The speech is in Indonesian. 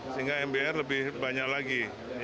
sehingga mbr lebih banyak lagi